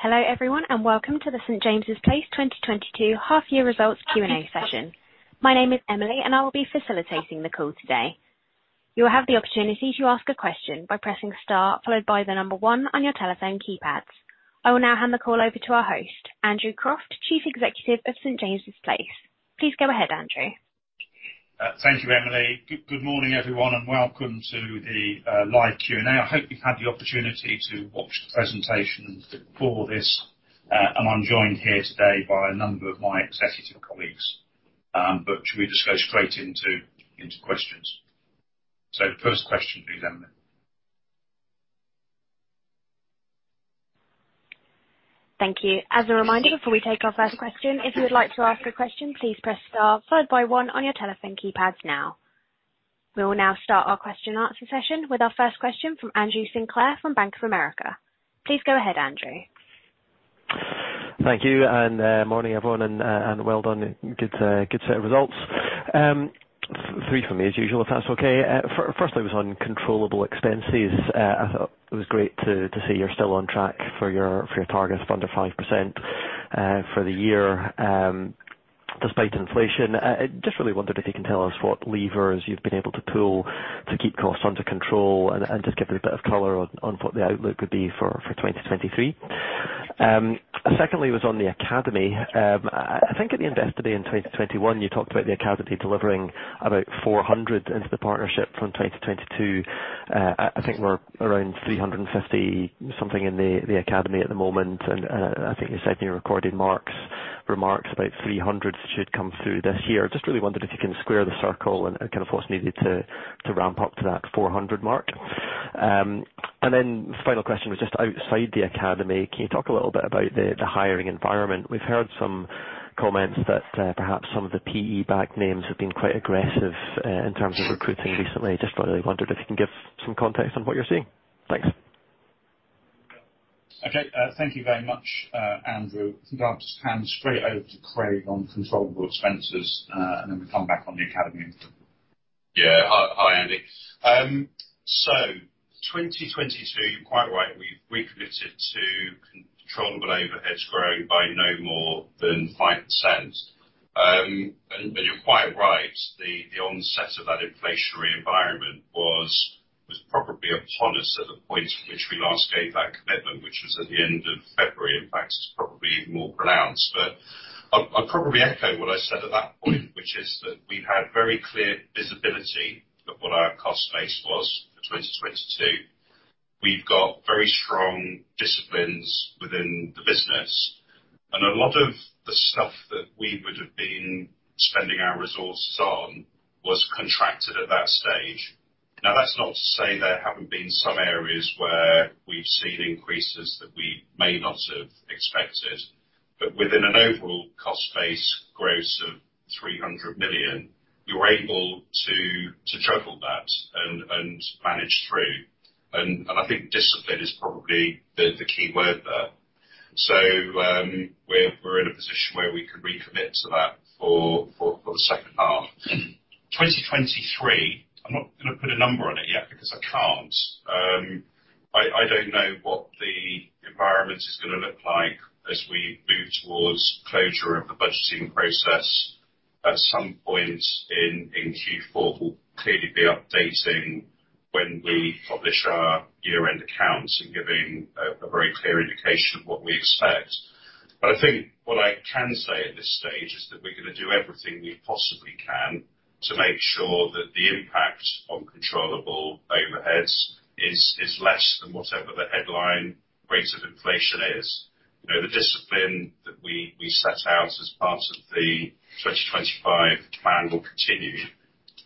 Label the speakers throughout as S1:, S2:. S1: Hello everyone, and welcome to the St. James's Place 2022 Half Year Results Q&A Session. My name is Emily, and I will be facilitating the call today. You will have the opportunity to ask a question by pressing star followed by the number one on your telephone keypads. I will now hand the call over to our host, Andrew Croft, Chief Executive of St. James's Place. Please go ahead, Andrew.
S2: Thank you, Emily. Good morning, everyone, and welcome to the live Q&A. I hope you've had the opportunity to watch the presentation before this. I'm joined here today by a number of my executive colleagues. Should we just go straight into questions? The first question please, Emily.
S1: Thank you. As a reminder, before we take our first question, if you would like to ask a question, please press star followed by one on your telephone keypads now. We will now start our question-and-answer session with our first question from Andrew Sinclair from Bank of America. Please go ahead, Andrew.
S3: Thank you, morning, everyone, well done. Good set of results. Three for me as usual, if that's okay. Firstly, it was on controllable expenses. I thought it was great to say you're still on track for your targets of under 5% for the year, despite inflation. I just really wondered if you can tell us what levers you've been able to pull to keep costs under control and just give me a bit of color on what the outlook would be for 2023. Secondly, it was on the academy. I think at the Investor Day in 2021 you talked about the academy delivering about 400 into the partnership from 2022. I think we're around 350 something in the academy at the moment. I think you said in your recorded remarks about 300 should come through this year. Just really wondered if you can square the circle and kind of what's needed to ramp up to that 400 mark. Then final question was just outside the academy. Can you talk a little bit about the hiring environment? We've heard some comments that perhaps some of the PE-backed names have been quite aggressive in terms of recruiting recently. Just really wondered if you can give some context on what you're seeing. Thanks.
S2: Okay. Thank you very much, Andrew. I think I'll just hand straight over to Craig on controllable expenses, and then we'll come back on the academy.
S4: Hi, Andy. So 2022, you're quite right, we've recommitted to controllable overheads growing by no more than 5%. And you're quite right, the onset of that inflationary environment was probably upon us at the point which we last gave that commitment, which was at the end of February. In fact, it's probably more pronounced. I'll probably echo what I said at that point, which is that we've had very clear visibility of what our cost base was for 2022. We've got very strong disciplines within the business, and a lot of the stuff that we would have been spending our resources on was contracted at that stage. Now, that's not to say there haven't been some areas where we've seen increases that we may not have expected, but within an overall cost base growth of 300 million, we were able to tackle that and manage through. I think discipline is probably the key word there. We're in a position where we could recommit to that for the second half 2023. I'm not gonna put a number on it yet because I can't. I don't know what the environment is gonna look like as we move towards closure of the budgeting process. At some point in Q4, we'll clearly be updating when we publish our year-end accounts and giving a very clear indication of what we expect. I think what I can say at this stage is that we're gonna do everything we possibly can to make sure that the impact on controllable overheads is less than whatever the headline rates of inflation is. You know, the discipline that we set out as part of the 2025 plan will continue,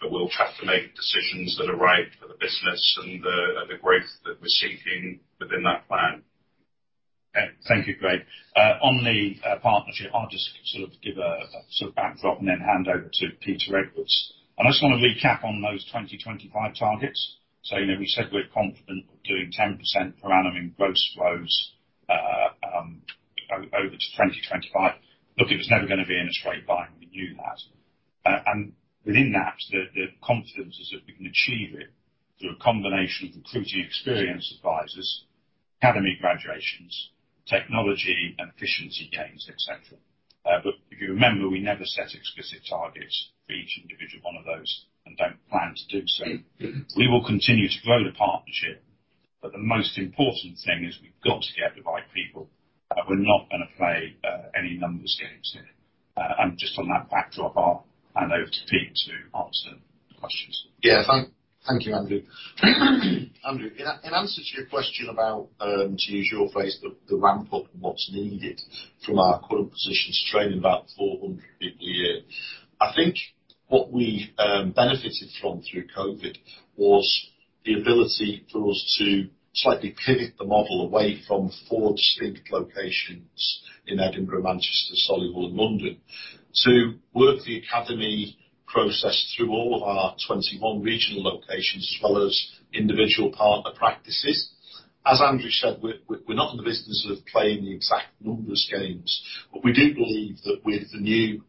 S4: but we'll have to make decisions that are right for the business and the growth that we're seeking within that plan.
S2: Thank you, Craig. On the partnership, I'll just sort of give a sort of backdrop and then hand over to Peter Edwards. I just wanna recap on those 2025 targets. You know, we said we're confident of doing 10% per annum in gross flows, over to 2025. Look, it was never gonna be in a straight line. We knew that. Within that, the confidence is that we can achieve it through a combination of recruiting experienced advisors, academy graduations, technology and efficiency gains, et cetera. If you remember, we never set explicit targets for each individual one of those and don't plan to do so. We will continue to grow the partnership, but the most important thing is we've got to get the right people. We're not gonna play any numbers games here. Just on that backdrop, I'll hand over to Pete to answer the questions.
S5: Yeah. Thank you, Andrew. Andrew, in answer to your question about, to use your phrase, the ramp-up and what's needed from our current position to training about 400 people a year, I think what we benefited from through COVID was the ability for us to slightly pivot the model away from four distinct locations in Edinburgh, Manchester, Solihull, and London to work the academy process through all our 21 regional locations as well as individual partner practices. As Andrew said, we're not in the business of playing the exact numbers games, but we do believe that with the new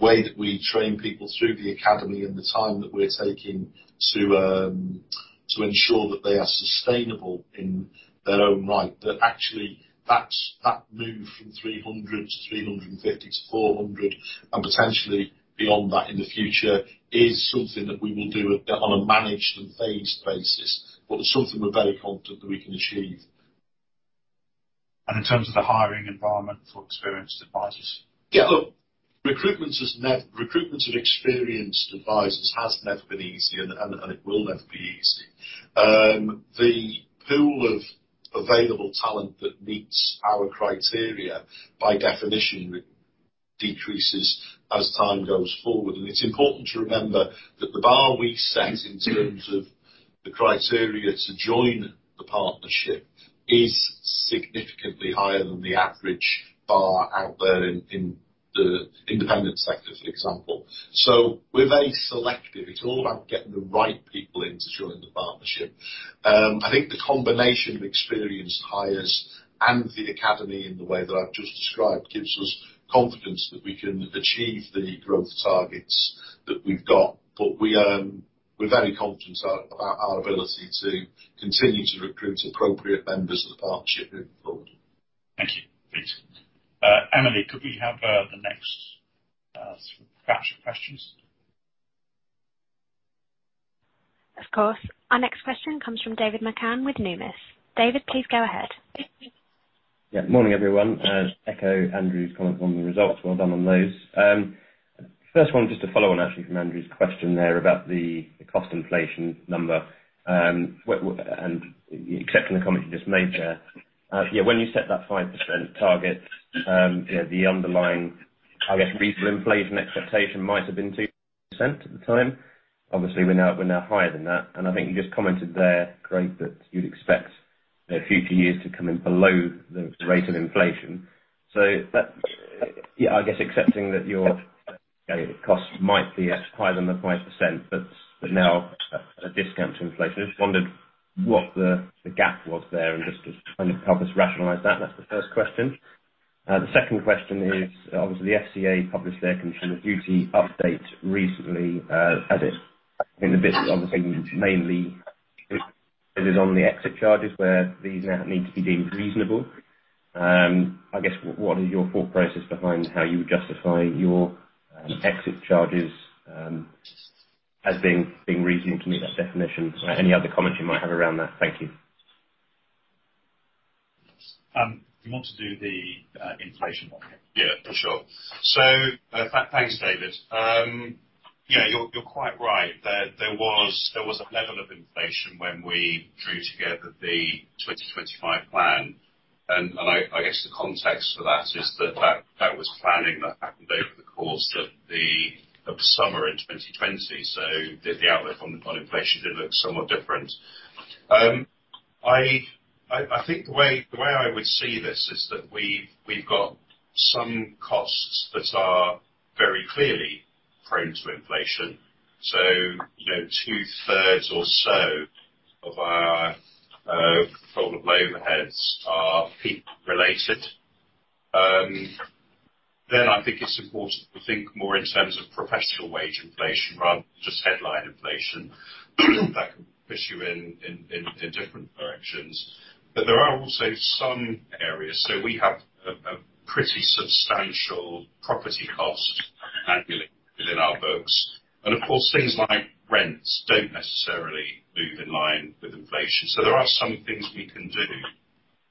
S5: way that we train people through the academy and the time that we're taking to To ensure that they are sustainable in their own right. That actually, that move from 300 to 350 to 400, and potentially beyond that in the future, is something that we will do a bit on a managed and phased basis, but something we're very confident that we can achieve.
S2: In terms of the hiring environment for experienced advisors?
S5: Yeah. Look, recruitment of experienced advisors has never been easy, and it will never be easy. The pool of available talent that meets our criteria, by definition, decreases as time goes forward. It's important to remember that the bar we set in terms of the criteria to join the partnership is significantly higher than the average bar out there in the independent sector, for example. We're very selective. It's all about getting the right people in to join the partnership. I think the combination of experienced hires and the academy in the way that I've just described gives us confidence that we can achieve the growth targets that we've got. We're very confident in our ability to continue to recruit appropriate members of the partnership moving forward.
S2: Thank you. Great. Emily, could we have the next batch of questions?
S1: Of course. Our next question comes from David McCann with Numis. David, please go ahead.
S6: Yeah. Morning, everyone. Echo Andrew's comment on the results. Well done on those. First one, just to follow on actually from Andrew's question there about the cost inflation number and accepting the comment you just made there. Yeah, when you set that 5% target, you know, the underlying, I guess, retail inflation expectation might have been 2% at the time. Obviously we're now higher than that. I think you just commented there, Craig, that you'd expect the future years to come in below the rate of inflation. Yeah, I guess accepting that your costs might be higher than the 5%, but now at a discount to inflation. Just wondered what the gap was there and just to kind of help us rationalize that. That's the first question. The second question is, obviously the FCA published their Consumer Duty update recently. In the bit, obviously, mainly it is on the exit charges where these now need to be deemed reasonable. I guess what is your thought process behind how you would justify your exit charges as being reasonable to meet that definition? Any other comments you might have around that? Thank you.
S2: Do you want to do the inflation one?
S4: Yeah, for sure. Thanks, David. Yeah, you're quite right that there was a level of inflation when we drew together the 2025 plan, and I guess the context for that is that was planning that happened over the course of the summer in 2020. The outlook on inflation did look somewhat different. I think the way I would see this is that we've got some costs that are very clearly prone to inflation. You know, two-thirds or so of our controllable overheads are peak related. I think it's important to think more in terms of professional wage inflation rather than just headline inflation. That can push you in different directions. There are also some areas. We have a pretty substantial property cost annually within our books. Of course, things like rents don't necessarily move in line with inflation. There are some things we can do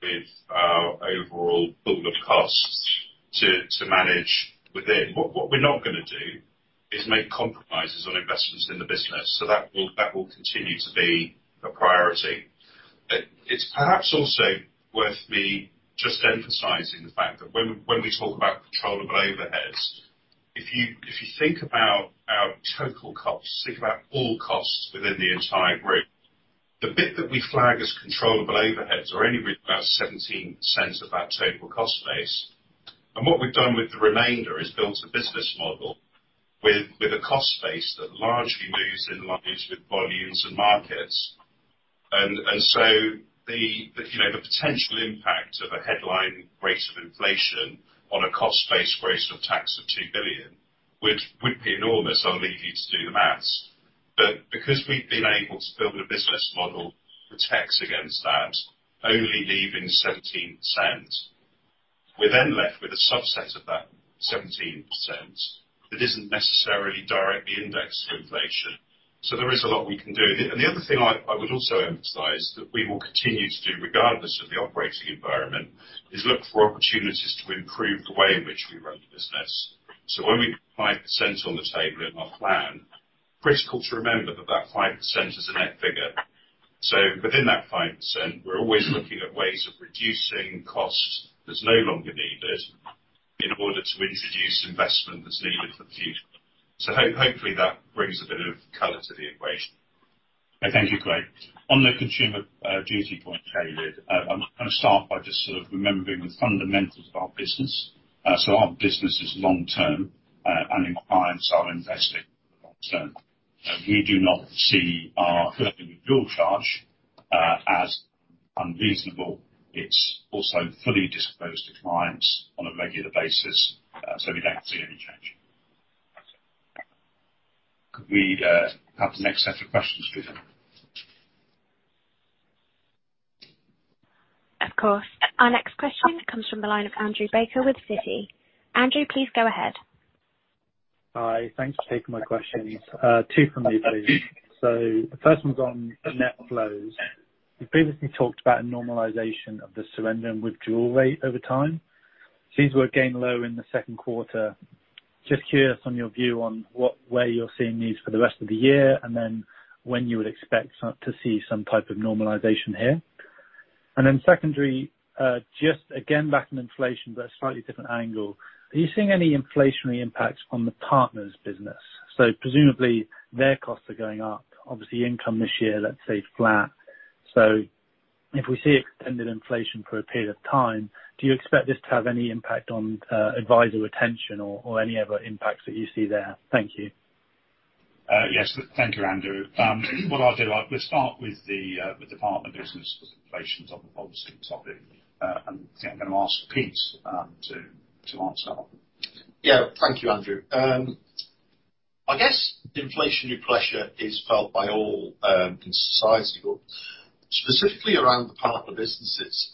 S4: with our overall pool of costs to manage within. What we're not gonna do is make compromises on investments in the business. That will continue to be a priority. It's perhaps also worth me just emphasizing the fact that when we talk about controllable overheads, if you think about our total costs, think about all costs within the entire group, the bit that we flag as controllable overheads are only about 17% of that total cost base. What we've done with the remainder is built a business model with a cost base that largely moves in line with volumes and markets. So the, you know, the potential impact of a headline rate of inflation on a cost-based rate of tax of 2 billion, which would be enormous, I'll leave you to do the math. Because we've been able to build a business model that protects against that, only leaving 17%, we're then left with a subset of that 17% that isn't necessarily directly indexed to inflation. There is a lot we can do. The other thing I would also emphasize that we will continue to do regardless of the operating environment is look for opportunities to improve the way in which we run the business. When we put 5% on the table in our plan, critical to remember that that 5% is a net figure. Within that 5%, we're always looking at ways of reducing costs that's no longer needed in order to introduce investment that's needed for the future. Hopefully, that brings a bit of color to the equation.
S2: Thank you, Craig. On the Consumer Duty point, David, I'm gonna start by just sort of remembering the fundamentals of our business. Our business is long-term, and our clients are investing long-term. We do not see our current dual charge as unreasonable. It's also fully disclosed to clients on a regular basis. We don't see any change. Could we have the next set of questions, please?
S1: Of course. Our next question comes from the line of Andrew Baker with Citi. Andrew, please go ahead.
S7: Hi. Thanks for taking my questions. Two from me, please. The first one's on net flows. You previously talked about a normalization of the surrender and withdrawal rate over time. Fees were again low in the second quarter. Just curious on your view on where you're seeing these for the rest of the year, and then when you would expect to see some type of normalization here. Secondly, just again, back on inflation, but a slightly different angle. Are you seeing any inflationary impacts on the partners business? Presumably their costs are going up. Obviously income this year, let's say flat. If we see extended inflation for a period of time, do you expect this to have any impact on advisor retention or any other impacts that you see there? Thank you.
S2: Yes, thank you, Andrew. What I'll do, I will start with the partner business as inflation is an obvious topic, and I think I'm gonna ask Pete to answer.
S5: Yeah. Thank you, Andrew. I guess inflationary pressure is felt by all in society. Specifically around the partner businesses,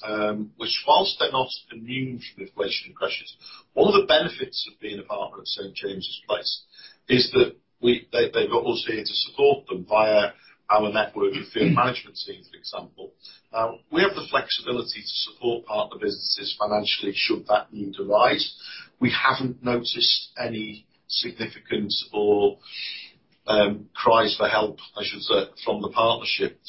S5: which while they're not immune from inflationary pressures, one of the benefits of being a partner at St. James's Place is that they've got us here to support them via our network of field management teams, for example. We have the flexibility to support partner businesses financially should that need arise. We haven't noticed any significant or cries for help, I should say, from the partnership.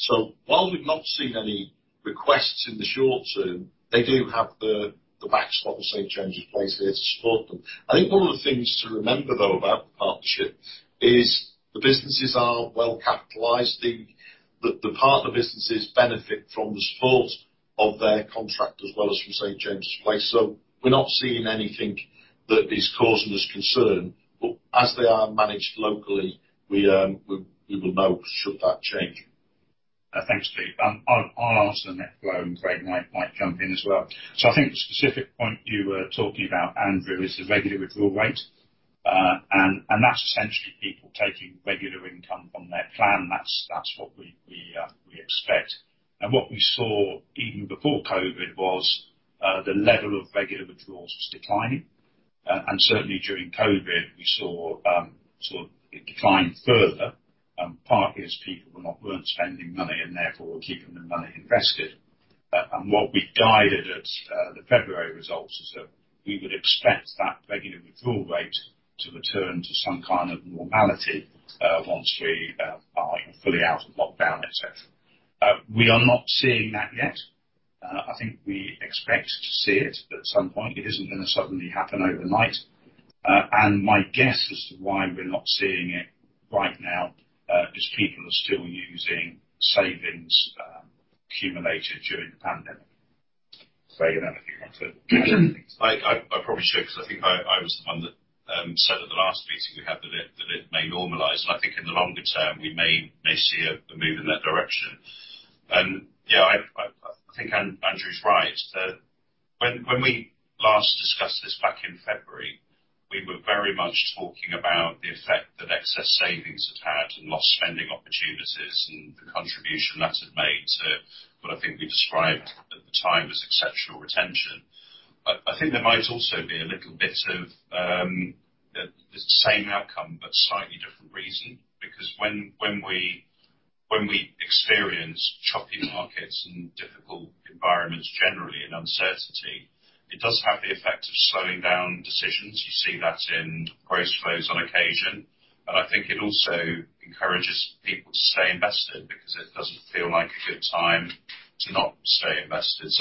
S5: While we've not seen any requests in the short term, they do have the backstop of St. James's Place there to support them. I think one of the things to remember though, about the partnership is the businesses are well capitalized. The partner businesses benefit from the support of their contract as well as from St. James's Place. We're not seeing anything that is causing us concern. As they are managed locally, we will know should that change.
S2: Thanks, Pete. I'll answer the net flow, and Craig might jump in as well. I think the specific point you were talking about, Andrew, is the regular withdrawal rate. That's essentially people taking regular income from their plan. That's what we expect. What we saw even before COVID was the level of regular withdrawals was declining. Certainly during COVID, we saw sort of it decline further, partly as people weren't spending money and therefore were keeping the money invested. What we guided at the February results is that we would expect that regular withdrawal rate to return to some kind of normality once we are fully out of lockdown, et cetera. We are not seeing that yet. I think we expect to see it at some point. It isn't gonna suddenly happen overnight. My guess as to why we're not seeing it right now is people are still using savings accumulated during the pandemic. Craig, you have anything you want to add?
S4: I probably should, 'cause I think I was the one that said at the last meeting we had that it may normalize. I think in the longer term we may see a move in that direction. Yeah, I think Andrew's right. When we last discussed this back in February, we were very much talking about the effect that excess savings had had and lost spending opportunities and the contribution that had made to what I think we described at the time as exceptional retention. I think there might also be a little bit of the same outcome, but slightly different reason. Because when we experience choppy markets and difficult environments, generally and uncertainty, it does have the effect of slowing down decisions. You see that in gross flows on occasion. I think it also encourages people to stay invested because it doesn't feel like a good time to not stay invested.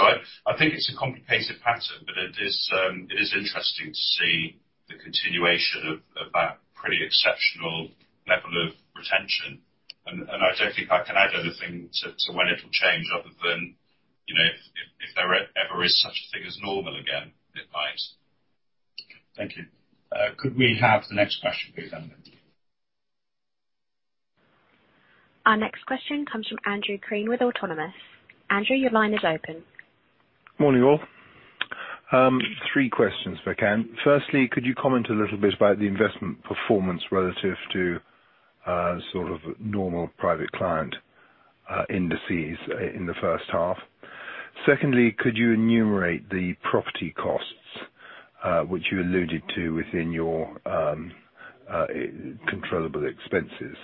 S4: I think it's a complicated pattern, but it is interesting to see the continuation of that pretty exceptional level of retention. I don't think I can add anything to when it'll change other than, you know, if there ever is such a thing as normal again, it might.
S2: Thank you. Could we have the next question please, Emily?
S1: Our next question comes from Andrew Crean with Autonomous Research. Andrew, your line is open.
S8: Morning, all. Three questions if I can. Firstly, could you comment a little bit about the investment performance relative to, sort of normal private client, indices in the first half? Secondly, could you enumerate the property costs, which you alluded to within your, controllable expenses?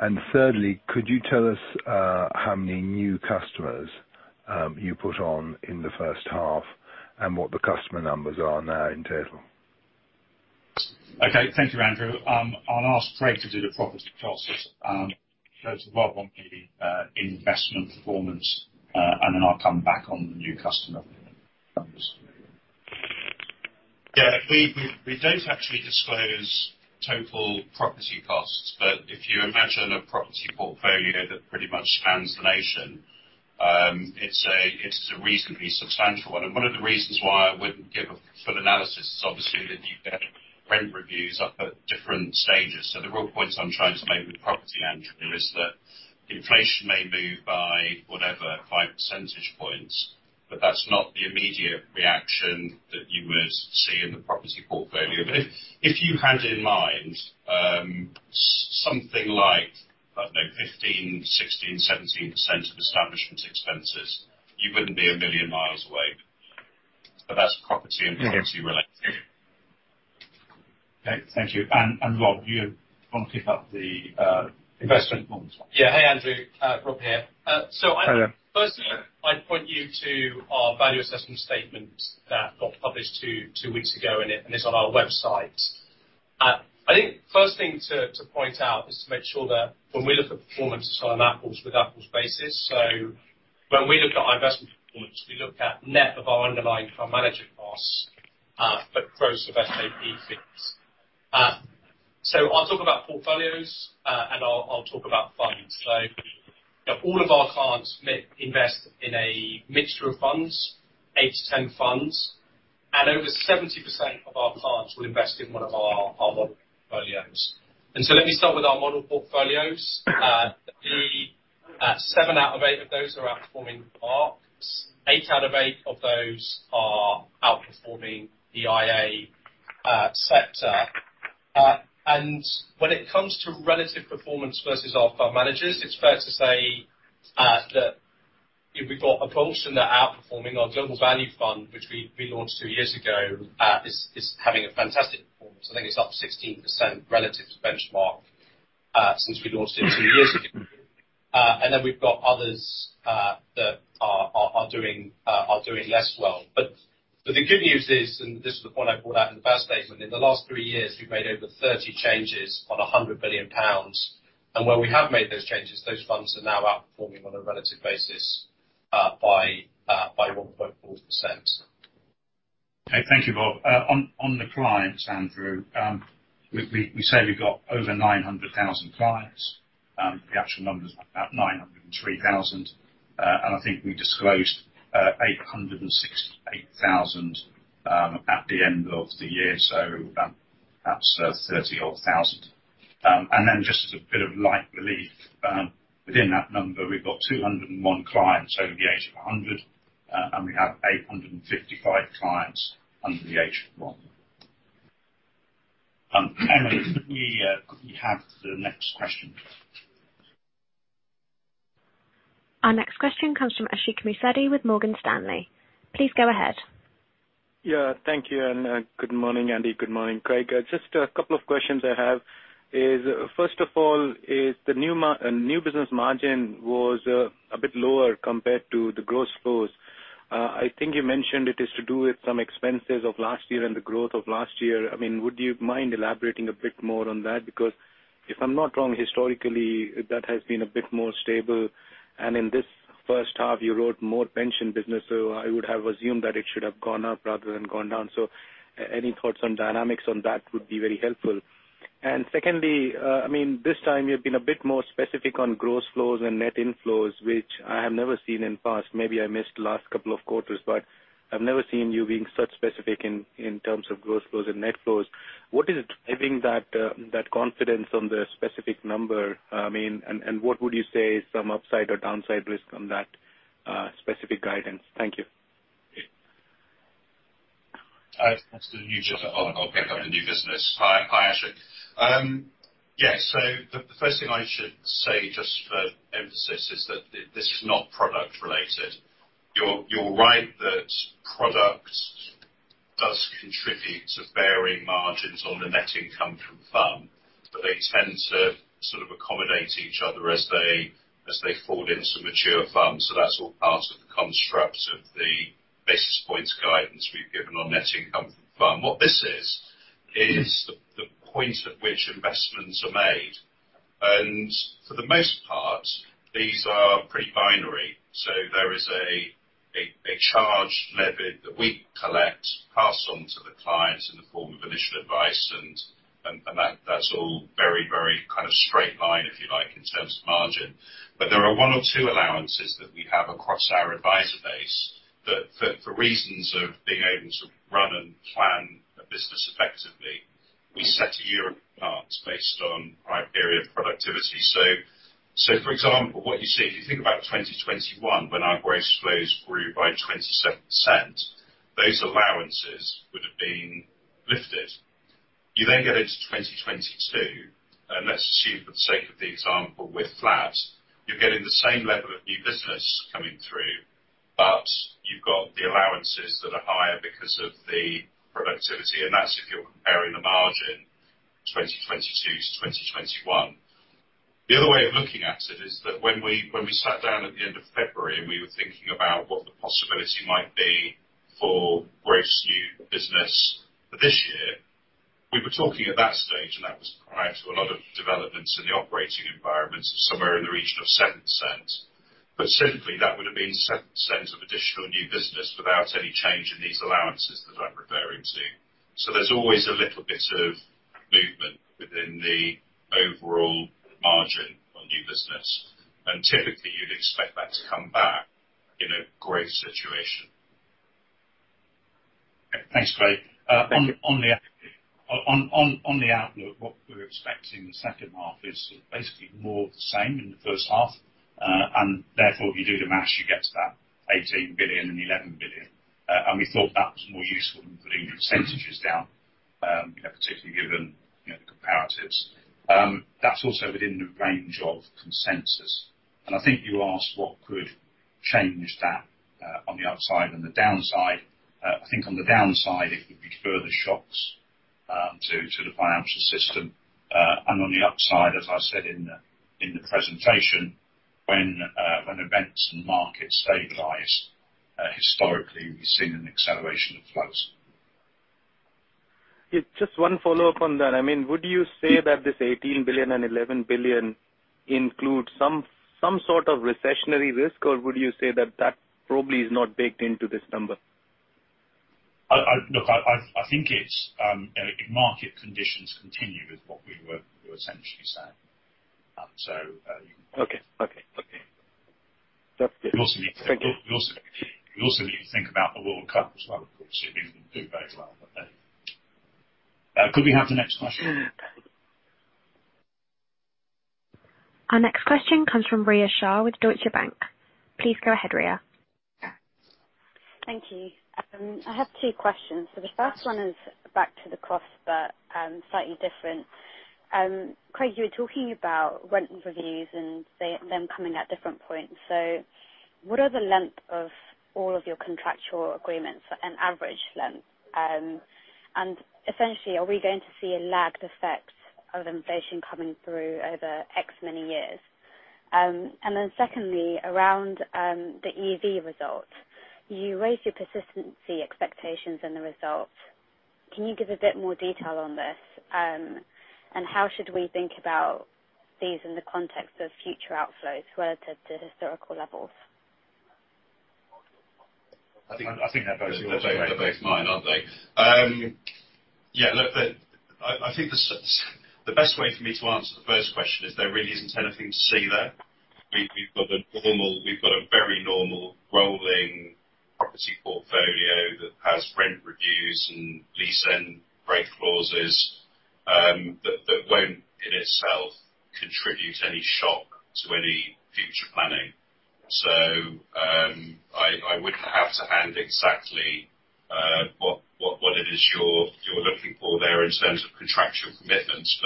S8: And thirdly, could you tell us, how many new customers, you put on in the first half and what the customer numbers are now in total?
S2: Okay. Thank you, Andrew. I'll ask Craig to do the property costs. Go to Rob on the investment performance, and then I'll come back on the new customer numbers.
S4: Yeah. We don't actually disclose total property costs. If you imagine a property portfolio that pretty much spans the nation, it's a reasonably substantial one. One of the reasons why I wouldn't give a full analysis is obviously that you get rent reviews up at different stages. The real point I'm trying to make with the property, Andrew, is that inflation may move by whatever, 5 percentage points, but that's not the immediate reaction that you would see in the property portfolio. If you had in mind, something like I don't know, 15, 16, 17% of establishment expenses, you wouldn't be a million miles away. That's property-
S2: Mm-hmm.
S4: Property related.
S2: Okay, thank you. Rob, do you want to pick up the investment performance one?
S9: Yeah. Hey, Andrew. Rob here.
S8: Hello.
S9: Firstly, I'd point you to our value assessment statement that got published two weeks ago, and it's on our website. I think first thing to point out is to make sure that when we look at performance, it's on an apples-to-apples basis. When we look at our investment performance, we look at net of our underlying fund manager costs, but gross of SJP fees. I'll talk about portfolios, and I'll talk about funds. All of our clients invest in a mixture of funds, eight to 10 funds. Over 70% of our clients will invest in one of our model portfolios. Let me start with our model portfolios. Seven out of eight of those are outperforming benchmarks. Eight out of eight of those are outperforming the IA sector. When it comes to relative performance versus our fund managers, it's fair to say that we've got a portion they're outperforming. Our global value fund, which we launched two years ago, is having a fantastic performance. I think it's up 16% relative to benchmark since we launched it two years ago. Then we've got others that are doing less well. The good news is, and this is the point I brought out in the first statement, in the last three years, we've made over 30 changes on 100 billion pounds. Where we have made those changes, those funds are now outperforming on a relative basis by 1.4%.
S2: Okay, thank you, Rob. On the clients, Andrew, we say we've got over 900,000 clients. The actual number is about 903,000. I think we disclosed 868,000 at the end of the year, so about perhaps 30-odd thousand. Then just as a bit of light relief, within that number, we've got 201 clients over the age of 100, and we have 855 clients under the age of one. Emily, could we have the next question?
S1: Our next question comes from Ashik Musaddi with Morgan Stanley. Please go ahead.
S10: Yeah, thank you. Good morning, Andy. Good morning, Craig. Just a couple of questions I have is, first of all, is the new business margin was a bit lower compared to the gross flows. I think you mentioned it is to do with some expenses of last year and the growth of last year. I mean, would you mind elaborating a bit more on that? Because if I'm not wrong, historically, that has been a bit more stable. In this first half, you wrote more pension business, so I would have assumed that it should have gone up rather than gone down. Any thoughts on dynamics on that would be very helpful. Secondly, I mean, this time you've been a bit more specific on gross flows and net inflows, which I have never seen in the past. Maybe I missed the last couple of quarters, but I've never seen you being so specific in terms of gross flows and net flows. What is driving that confidence on the specific number? I mean, and what would you say is some upside or downside risk on that specific guidance? Thank you.
S2: That's the new business.
S4: I'll pick up the new business. Hi, Ashik. Yeah. The first thing I should say just for emphasis is that this is not product related. You're right that product does contribute to varying margins on the net income from fund, but they tend to sort of accommodate each other as they fall into mature funds. That's all part of the construct of the basis points guidance we've given on net income from fund. What this is the point at which investments are made. For the most part, these are pretty binary. There is a charge levied that we collect, pass on to the clients in the form of initial advice, and that that's all very kind of straight line, if you like, in terms of margin. There are one or two allowances that we have across our advisor base that for reasons of being able to run and plan a business effectively, we set a year apart based on criteria of productivity. For example, what you see, if you think about 2021, when our gross flows grew by 27%, those allowances would have been lifted. You then go into 2022, and let's assume for the sake of the example, we're flat. You're getting the same level of new business coming through, but you've got the allowances that are higher because of the productivity, and that's if you're comparing the margin 2022-2021. The other way of looking at it is that when we sat down at the end of February and we were thinking about what the possibility might be for gross new business for this year, we were talking at that stage, and that was prior to a lot of developments in the operating environment, somewhere in the region of 7%. Simply, that would have been 7% of additional new business without any change in these allowances that I'm referring to. There's always a little bit of movement within the overall margin on new business. Typically, you'd expect that to come back in a great situation.
S2: Thanks, Craig. On the outlook, what we're expecting in the second half is basically more of the same in the first half. Therefore, if you do the math, you get to that 18 billion and 11 billion. We thought that was more useful than putting percentages down, you know, particularly given, you know, the comparatives. That's also within the range of consensus. I think you asked what could change that, on the upside and the downside. I think on the downside, it would be further shocks to the financial system. On the upside, as I said in the presentation, when events and markets stabilize, historically, we've seen an acceleration of flows.
S10: Yeah, just one follow-up on that. I mean, would you say that this 18 billion and 11 billion includes some sort of recessionary risk, or would you say that that probably is not baked into this number?
S2: Look, I think it's if market conditions continue is what we were essentially saying.
S10: Okay. That's it. Thank you.
S2: You also need to think about the World Cup as well, of course. It didn't do very well. Could we have the next question?
S1: Our next question comes from Rhea Shah with Deutsche Bank. Please go ahead, Rhea.
S11: Thank you. I have two questions. The first one is back to the cost center, but slightly different. Craig, you were talking about rent reviews and them coming at different points. What are the length of all of your contractual agreements, an average length? Essentially, are we going to see a lagged effect of inflation coming through over, say, many years? Secondly, around the EV results, you raised your persistency expectations in the results. Can you give a bit more detail on this? And how should we think about these in the context of future outflows relative to historical levels?
S2: I think that goes to you, Craig.
S4: They're both mine, aren't they? Yeah, look, I think the best way for me to answer the first question is there really isn't anything to see there. We've got a very normal rolling property portfolio that has rent reviews and lease end break clauses that won't in itself contribute any shock to any future planning. I wouldn't have at hand exactly what it is you're looking for there in terms of contractual commitments.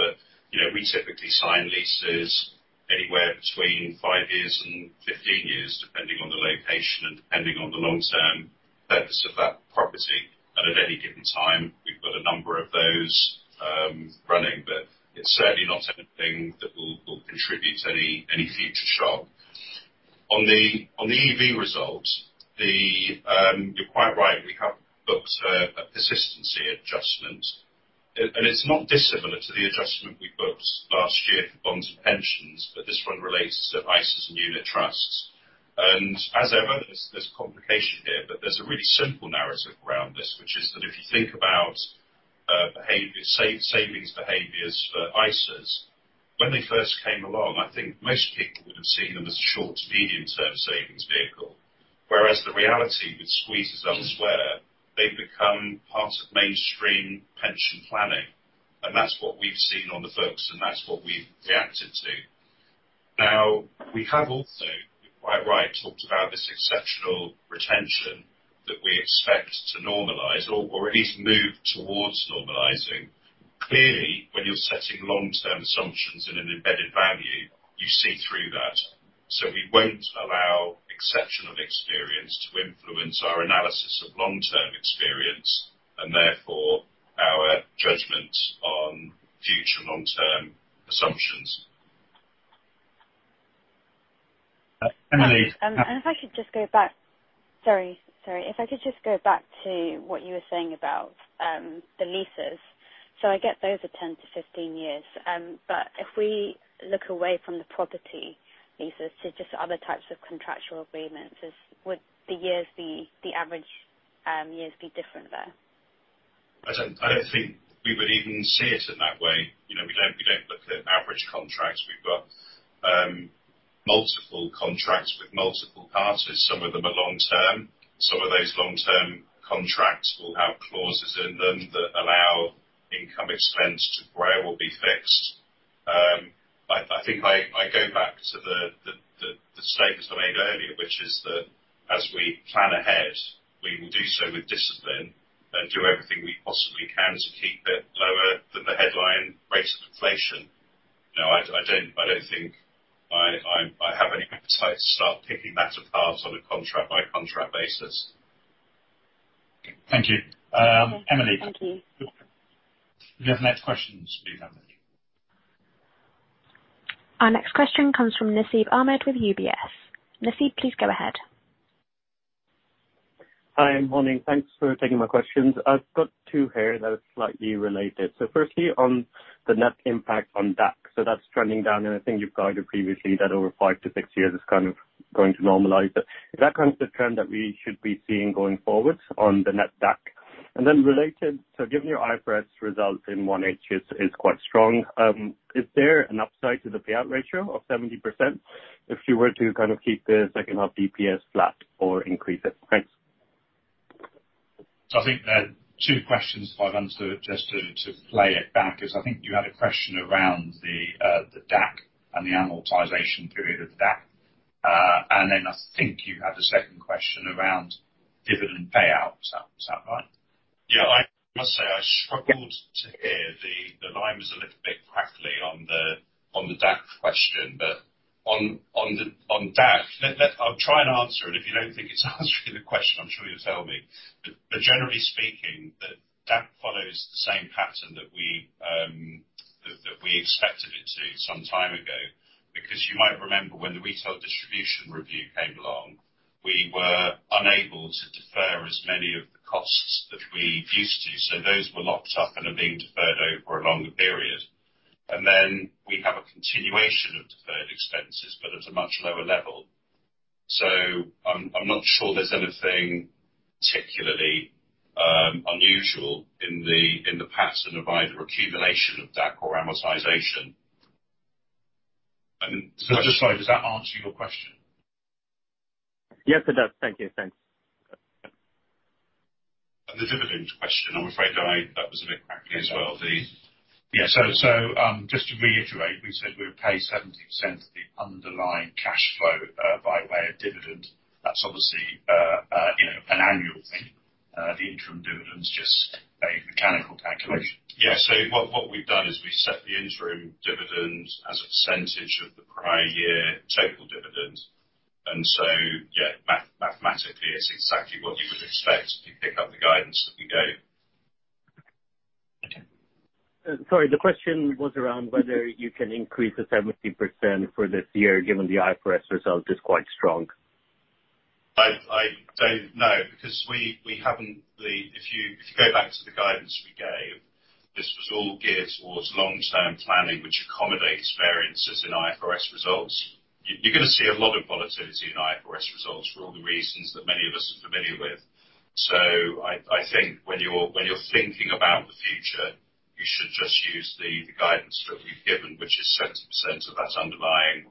S4: You know, we typically sign leases anywhere between five years and 15 years, depending on the location and depending on the long-term purpose of that property. At any given time, we've got a number of those running, but it's certainly not anything that will contribute to any future shock. On the EV results, you're quite right, we have booked a persistency adjustment. It's not dissimilar to the adjustment we booked last year for bonds and pensions, but this one relates to ISAs and unit trusts. As ever, there's complication here, but there's a really simple narrative around this, which is that if you think about behavior, savings behaviors for ISAs, when they first came along, I think most people would have seen them as a short to medium-term savings vehicle. Whereas the reality with squeezes elsewhere, they've become part of mainstream pension planning. That's what we've seen on the books, and that's what we've reacted to. Now, we have also, you're quite right, talked about this exceptional retention that we expect to normalize or at least move towards normalizing. Clearly, when you're setting long-term assumptions in an embedded value, you see through that. We won't allow exceptional experience to influence our analysis of long-term experience, and therefore our judgment on future long-term assumptions.
S2: Emily.
S11: If I could just go back to what you were saying about the leases. I get those are 10-15 years. If we look away from the property leases to just other types of contractual agreements, would the average years be different there?
S4: I don't think we would even see it in that way. You know, we don't look at average contracts. We've got multiple contracts with multiple parties. Some of them are long-term. Some of those long-term contracts will have clauses in them that allow income expense to grow or be fixed. I think I go back to the statement I made earlier, which is that as we plan ahead, we will do so with discipline and do everything we possibly can to keep it lower than the headline rates of inflation. No, I don't think I have any appetite to start picking that apart on a contract by contract basis.
S2: Thank you. Emily. The next question.
S1: Our next question comes from Nasib Ahmed with UBS. Nasib, please go ahead.
S12: Hi. Morning. Thanks for taking my questions. I've got two here that are slightly related. Firstly, on the net impact on DAC, that's trending down, and I think you've guided previously that over five to six years it's kind of going to normalize. Is that kind of the trend that we should be seeing going forward on the net DAC? Then related, given your IFRS results in 1H is quite strong, is there an upside to the payout ratio of 70% if you were to, kind of, keep the second half bps flat or increase it? Thanks.
S2: I think there are two questions, if I've understood, just to play it back, is I think you had a question around the DAC and the amortization period of the DAC. And then I think you had a second question around dividend payouts. Is that right?
S4: Yeah, I must say I struggled to hear. The line was a little bit crackly on the DAC question. On DAC, I'll try and answer it. If you don't think it's answering the question, I'm sure you'll tell me. Generally speaking, the DAC follows the same pattern that we expected it to some time ago. Because you might remember when the Retail Distribution Review came along, we were unable to defer as many of the costs that we used to. Those were locked up and are being deferred over a longer period. Then we have a continuation of deferred expenses but at a much lower level. I'm not sure there's anything particularly unusual in the pattern of either accumulation of DAC or amortization.
S2: Just sorry, does that answer your question?
S12: Yes, it does. Thank you. Thanks.
S4: The dividend question, I'm afraid. That was a bit crackly as well.
S2: Just to reiterate, we said we would pay 70% of the underlying cash flow by way of dividend. That's obviously, you know, an annual thing. The interim dividend's just a mechanical calculation.
S4: What we've done is we set the interim dividend as a percentage of the prior year total dividend. Mathematically, it's exactly what you would expect if you pick up the guidance that we gave.
S12: Sorry, the question was around whether you can increase the 70% for this year, given the IFRS result is quite strong.
S4: I don't know. Because we haven't really. If you go back to the guidance we gave, this was all geared towards long-term planning, which accommodates variances in IFRS results. You're gonna see a lot of volatility in IFRS results for all the reasons that many of us are familiar with. I think when you're thinking about the future, you should just use the guidance that we've given, which is 70% of that underlying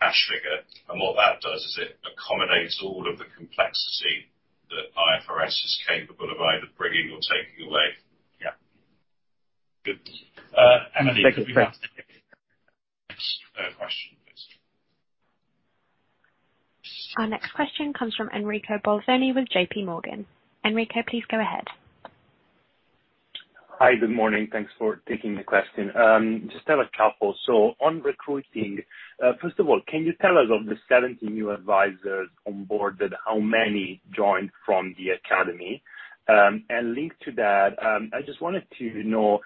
S4: cash figure. What that does is it accommodates all of the complexity that IFRS is capable of either bringing or taking away.
S2: Yeah. Good. Emily.
S12: Thank you. Thanks.
S2: Next, question please.
S1: Our next question comes from Enrico Bolzoni with JPMorgan. Enrico, please go ahead.
S13: Hi. Good morning. Thanks for taking the question. Just have a couple. On recruiting, first of all, can you tell us of the 17 new advisors onboarded, how many joined from the academy? Linked to that, I just wanted to know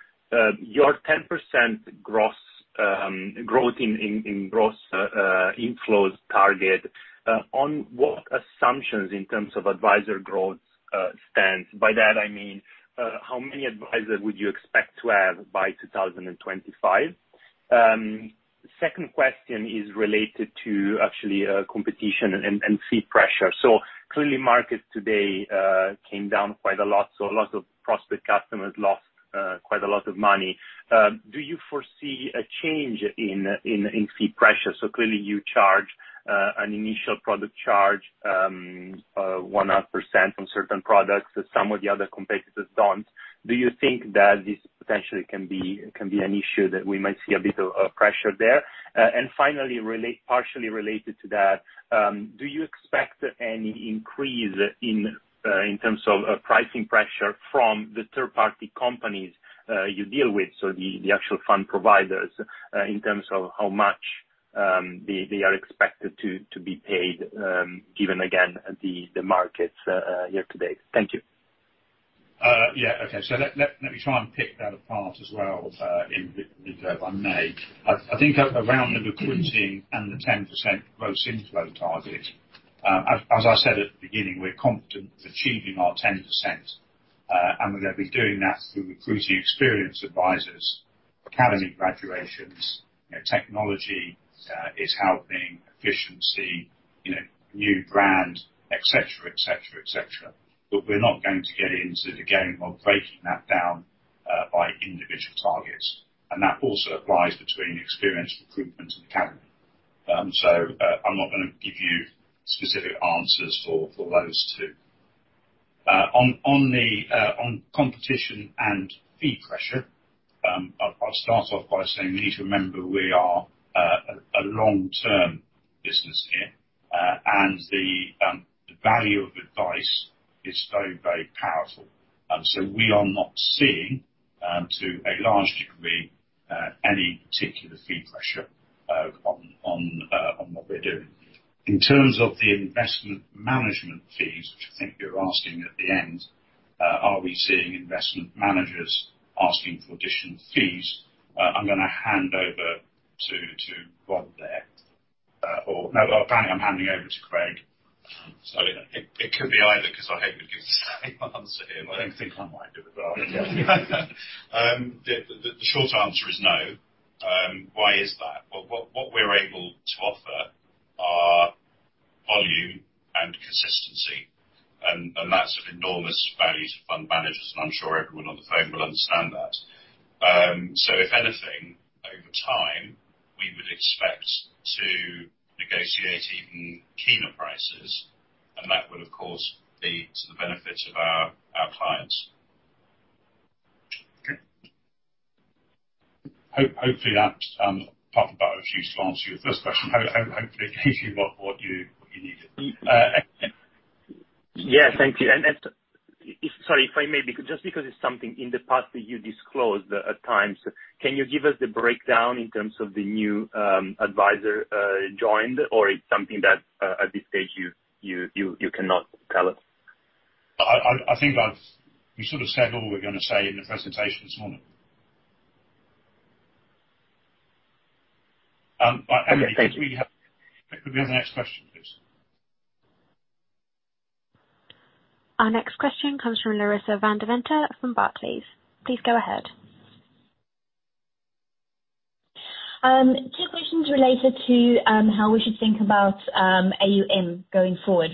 S13: your 10% gross growth in gross inflows target, on what assumptions in terms of advisor growth stands? By that I mean, how many advisors would you expect to have by 2025? Second question is related to actually, competition and fee pressure. Clearly market today came down quite a lot, so a lot of prospective customers lost quite a lot of money. Do you foresee a change in fee pressure? Clearly you charge an initial product charge 0.5% on certain products that some of the other competitors don't. Do you think that this potentially can be an issue that we might see a bit of pressure there? Partially related to that, do you expect any increase in terms of pricing pressure from the third-party companies you deal with, the actual fund providers, in terms of how much they are expected to be paid, given again the markets here today? Thank you.
S2: Yeah. Okay. Let me try and pick that apart as well, in a bit if I may. I think around the recruiting and the 10% gross inflow target, as I said at the beginning, we're confident achieving our 10%. We're gonna be doing that through recruiting experienced advisors, academy graduations, you know, technology is helping efficiency, you know, new brand, et cetera. We're not going to get into the game of breaking that down by individual targets. That also applies between experienced recruitment and academy. I'm not gonna give you specific answers for those two. On competition and fee pressure, I'll start off by saying you need to remember we are a long-term business here. The value of advice is very, very powerful. We are not seeing, to a large degree, any particular fee pressure on what we're doing. In terms of the investment management fees, which I think you're asking at the end, are we seeing investment managers asking for additional fees? I'm gonna hand over to Rob there. Or no, apparently I'm handing over to Craig.
S4: It could be either 'cause I hope we give the same answer here.
S2: I don't think I might do it well.
S4: The short answer is no. Why is that? What we're able to offer are volume and consistency, and that's of enormous value to fund managers, and I'm sure everyone on the phone will understand that. If anything, over time, we would expect to negotiate even keener prices, and that will of course be to the benefit of our clients.
S2: Hopefully that's part, but actually to answer your first question, hopefully it gives you what you needed.
S13: Yeah. Thank you. Sorry, if I may, just because it's something in the past that you disclosed at times, can you give us the breakdown in terms of the new advisor joined, or it's something that at this stage you cannot tell us?
S2: I think we've sort of said all we're gonna say in the presentation this morning. Emily, could we have?
S13: Thank you.
S2: Could we have the next question, please?
S1: Our next question comes from Larissa van Deventer from Barclays. Please go ahead.
S14: Two questions related to how we should think about AUM going forward.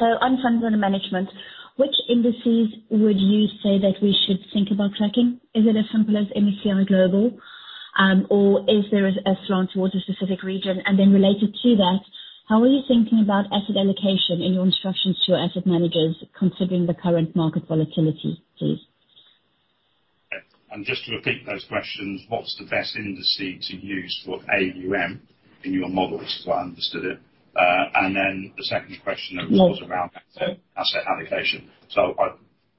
S14: On funds under management, which indices would you say that we should think about tracking? Is it as simple as MSCI Global, or is there a slant towards a specific region? Related to that, how are you thinking about asset allocation in your instructions to your asset managers considering the current market volatility, please?
S2: Just to repeat those questions, what's the best industry to use for AUM in your models? That's how I understood it. The second question was around asset allocation. I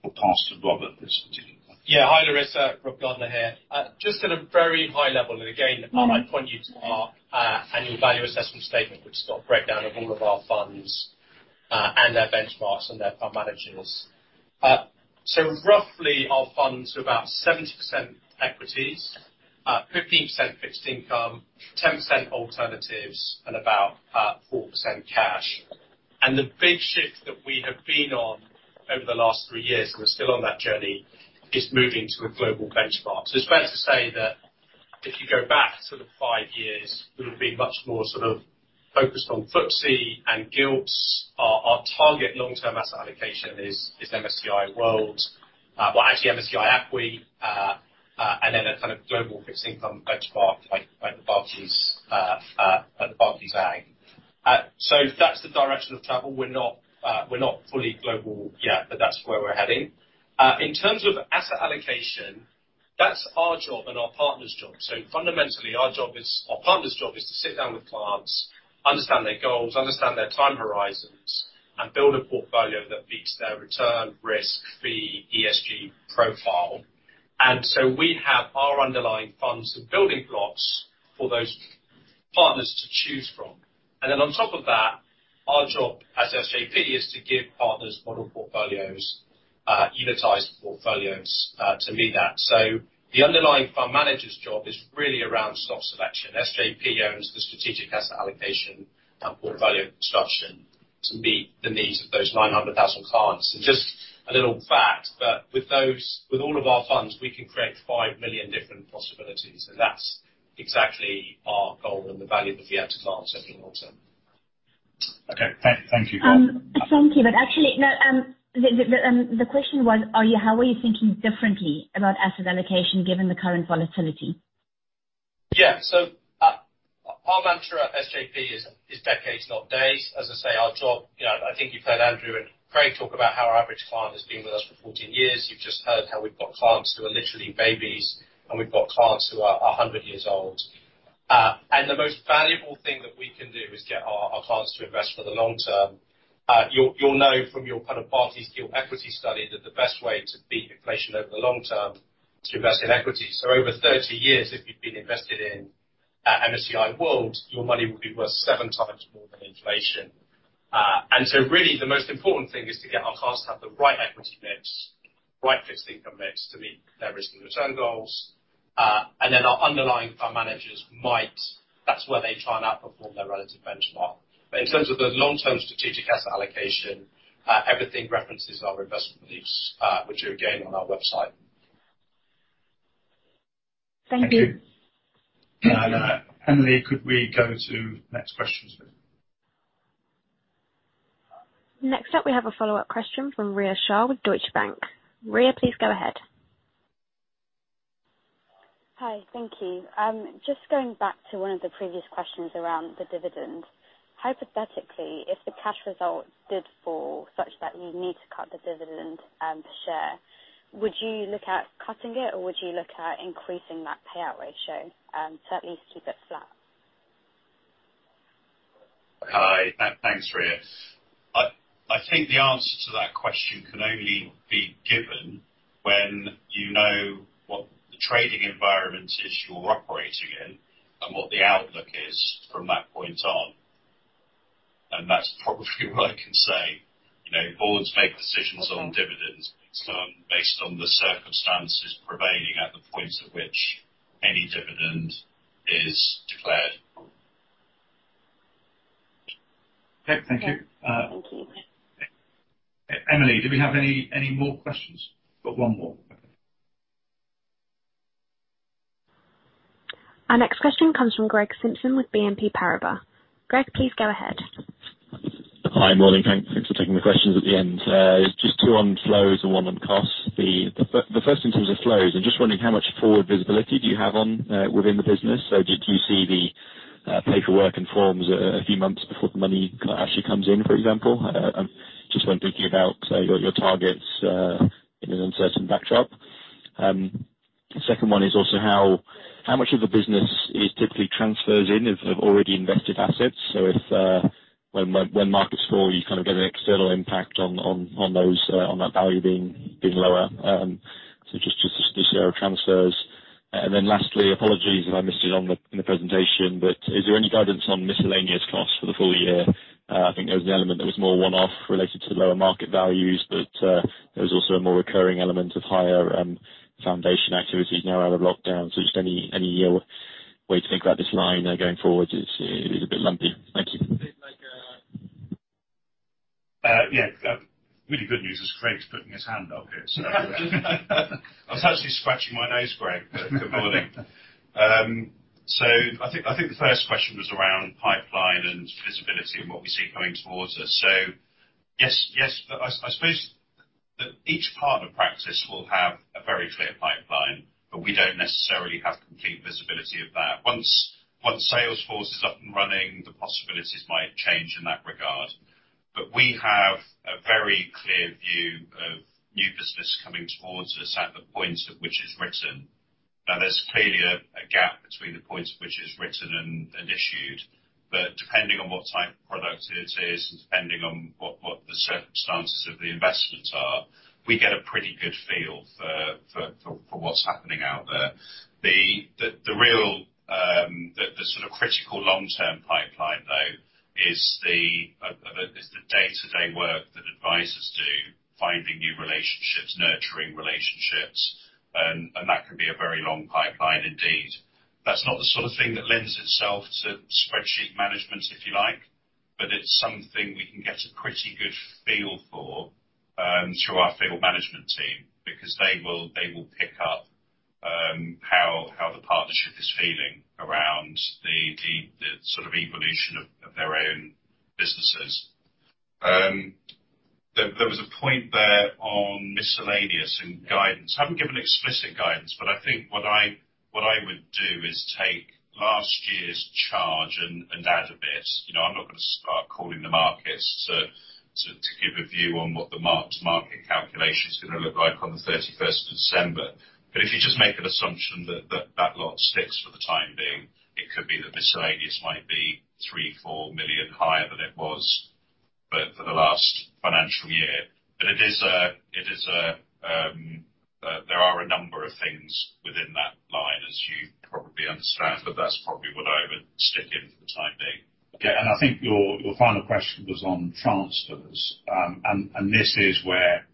S2: will pass to Robert this particular one.
S9: Yeah. Hi, Larissa. Rob Gardner here. Just at a very high level, and again, I might point you to our annual value assessment statement, which has got a breakdown of all of our funds and their benchmarks and their fund managers. Roughly our funds are about 70% equities, 15% fixed income, 10% alternatives, and about 4% cash. The big shift that we have been on over the last three years, we're still on that journey, is moving to a global benchmark. It's fair to say that if you go back sort of five years, we would be much more sort of focused on FTSE and Gilts. Our target long-term asset allocation is MSCI World. Well, actually MSCI ACWI, and then a kind of global fixed income benchmark like the Barclays Agg. That's the direction of travel. We're not fully global yet, but that's where we're heading. In terms of asset allocation, that's our job and our partner's job. Fundamentally, our job is our partner's job is to sit down with clients, understand their goals, understand their time horizons, and build a portfolio that meets their return, risk, fee, ESG profile. We have our underlying funds and building blocks for those partners to choose from. Then on top of that, our job as SJP is to give partners model portfolios, unitized portfolios, to meet that. The underlying fund manager's job is really around stock selection. SJP owns the strategic asset allocation and portfolio construction to meet the needs of those 900,000 clients. Just a little fact, but with all of our funds, we can create 5 million different possibilities, and that's exactly our goal and the value that we add to clients over the long term.
S2: Okay. Thank you, Rob.
S14: Thank you. Actually, no, the question was, how are you thinking differently about asset allocation given the current volatility?
S9: Yeah. Our mantra at SJP is decades, not days. As I say, our job. You know, I think you've heard Andrew and Craig talk about how our average client has been with us for 14 years. You've just heard how we've got clients who are literally babies, and we've got clients who are 100 years old. The most valuable thing that we can do is get our clients to invest for the long term. You'll know from your kind of Barclays, your equity study that the best way to beat inflation over the long term is to invest in equities. Over 30 years, if you've been invested in MSCI World, your money will be worth seven times more than inflation. Really, the most important thing is to get our clients to have the right equity mix, right fixed income mix to meet their risk and return goals. Our underlying fund managers might. That's where they try and outperform their relative benchmark. In terms of the long-term strategic asset allocation, everything references our investment beliefs, which are again on our website.
S14: Thank you.
S2: Thank you. Emily, could we go to next question, please?
S1: Next up, we have a follow-up question from Rhea Shah with Deutsche Bank. Rhea, please go ahead.
S11: Hi. Thank you. Just going back to one of the previous questions around the dividend. Hypothetically, if the cash results did fall such that you need to cut the dividend, per share, would you look at cutting it or would you look at increasing that payout ratio, to at least keep it flat?
S4: Hi. Thanks, Rhea. I think the answer to that question can only be given when you know what the trading environment is you're operating in and what the outlook is from that point on. That's probably all I can say. You know, boards make decisions on dividends based on the circumstances prevailing at the point at which any dividend is declared.
S2: Okay. Thank you.
S11: Thank you.
S2: Emily, do we have any more questions? Got one more.
S1: Our next question comes from Greg Simpson with BNP Paribas. Greg, please go ahead.
S15: Hi. Morning. Thanks for taking the questions at the end. Just two on flows and one on costs. The first in terms of flows, I'm just wondering how much forward visibility do you have on within the business? Paperwork and forms a few months before the money actually comes in, for example. Just when thinking about, say, your targets in an uncertain backdrop. Second one is also how much of the business is typically transfers in of already invested assets? When markets fall, you kind of get an external impact on those on that value being lower. Just the share of transfers. Then lastly, apologies if I missed it in the presentation, but is there any guidance on miscellaneous costs for the full year? I think there was an element that was more one-off related to the lower market values, but there was also a more recurring element of higher foundation activities now out of lockdown. Just any way to think about this line going forward. It's a little bit lumpy. Thank you.
S2: Really good news is Craig's putting his hand up here, so I was actually scratching my nose, Craig. Good morning. I think the first question was around pipeline and visibility and what we see coming towards us. Yes. I suppose each partner practice will have a very clear pipeline, but we don't necessarily have complete visibility of that. Once Salesforce is up and running, the possibilities might change in that regard. We have a very clear view of new business coming towards us at the point at which it's written. There's clearly a gap between the point at which it's written and issued. Depending on what type of product it is and depending on what the circumstances of the investment are, we get a pretty good feel for what's happening out there. The real sort of critical long-term pipeline, though, is the day-to-day work that advisors do, finding new relationships, nurturing relationships, and that can be a very long pipeline indeed. That's not the sort of thing that lends itself to spreadsheet management, if you like, but it's something we can get a pretty good feel for through our field management team, because they will pick up how the partnership is feeling around the sort of evolution of their own businesses. There was a point there on miscellaneous and guidance. I haven't given explicit guidance, but I think what I would do is take last year's charge and add a bit. You know, I'm not gonna start calling the markets to give a view on what the mark-to-market calculation is gonna look like on the 31st of December. If you just make an assumption that that lot sticks for the time being, it could be that miscellaneous might be 3 million, 4 million higher than it was, but for the last financial year. There are a number of things within that line, as you probably understand, but that's probably what I would stick in for the time being. Okay. I think your final question was on transfers. This is where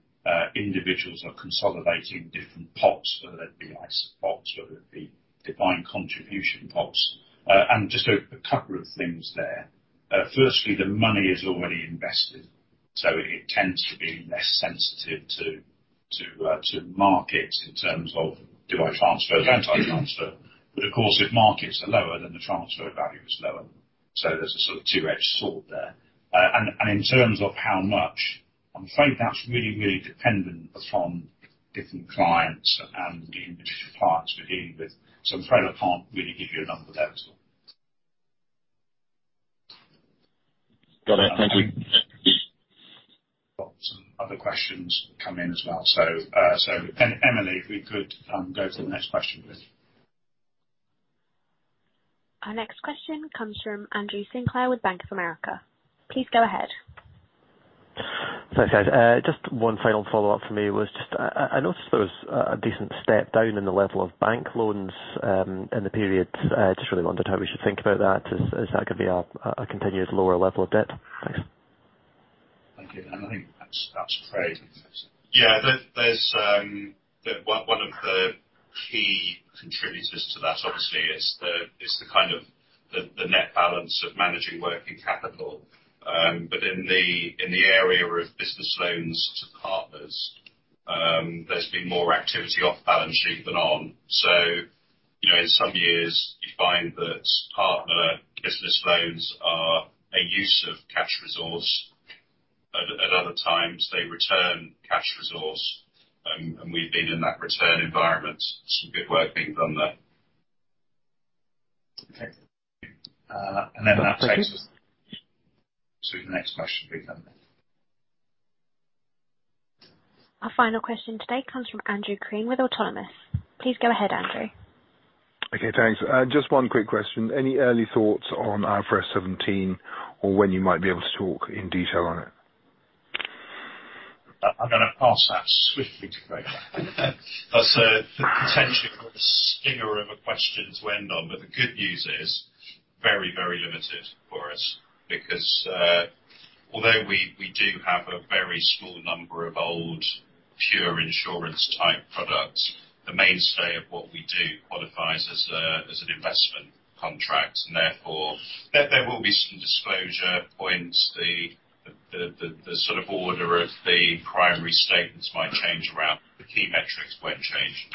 S2: individuals are consolidating different pots, whether it be ISA pots, whether it be defined contribution pots. Just a couple of things there. Firstly, the money is already invested, so it tends to be less sensitive to markets in terms of do I transfer or don't I transfer. Of course, if markets are lower, then the transfer value is lower. There's a sort of two-edged sword there. In terms of how much, I'm afraid that's really dependent upon different clients and the individual clients we're dealing with. I'm afraid I can't really give you a number there at all.
S15: Got it. Thank you.
S2: We've got some other questions come in as well. Emily, if we could go to the next question, please.
S1: Our next question comes from Andrew Sinclair with Bank of America. Please go ahead.
S3: Thanks, guys. Just one final follow-up from me was just I noticed there was a decent step down in the level of bank loans in the period. Just really wondered how we should think about that. Is that gonna be a continued lower level of debt? Thanks.
S2: Thank you. I think that's for Craig.
S4: Yeah. There's one of the key contributors to that obviously is the kind of the net balance of managing working capital. In the area of business loans to partners, there's been more activity off balance sheet than on. You know, in some years, you find that partner business loans are a use of cash resource. At other times, they return cash resource. We've been in that return environment, some good work being done there. Okay. That takes us to the next question please, Emily.
S1: Our final question today comes from Andrew Crean with Autonomous. Please go ahead, Andrew.
S8: Okay, thanks. Just one quick question. Any early thoughts on IFRS 17 or when you might be able to talk in detail on it?
S2: I'm gonna pass that swiftly to Craig.
S4: That's a potential stinger of a question to end on, but the good news is very, very limited for us because although we do have a very small number of old pure insurance type products, the mainstay of what we do qualifies as an investment contract, and therefore there will be some disclosure points. The sort of order of the primary statements might change around. The key metrics won't change.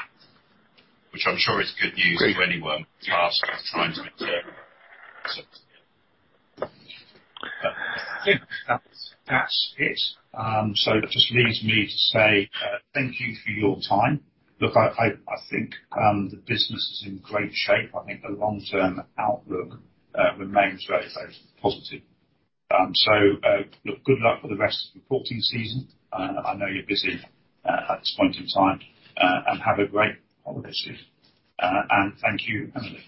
S4: Which I'm sure is good news for anyone tasked with trying to get to.
S2: Yeah. That's it. So that just leaves me to say thank you for your time. Look, I think the business is in great shape. I think the long-term outlook remains very, very positive. Look, good luck with the rest of your reporting season. I know you're busy at this point in time and have a great holiday season. Thank you, Emily.